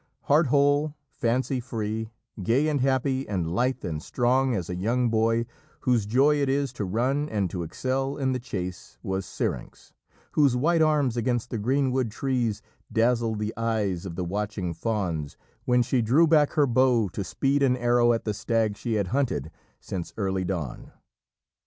Heartwhole, fancy free, gay and happy and lithe and strong, as a young boy whose joy it is to run and to excel in the chase, was Syrinx, whose white arms against the greenwood trees dazzled the eyes of the watching fauns when she drew back her bow to speed an arrow at the stag she had hunted since early dawn.